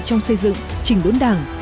trong xây dựng trình đốn đảng